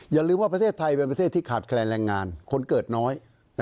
อย่าลืมว่าประเทศไทยเป็นประเทศที่ขาดแคลนแรงงานคนเกิดน้อย